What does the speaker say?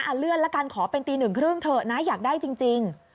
อ่ะเลื่อนละกันขอเป็นตี๑๓๐เถอะนะอยากได้จริง